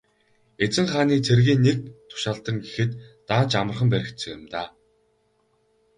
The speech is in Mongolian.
Эзэн хааны цэргийн нэг тушаалтан гэхэд даанч амархан баригдсан юм даа.